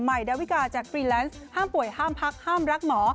ดาวิกาจากฟรีแลนซ์ห้ามป่วยห้ามพักห้ามรักหมอ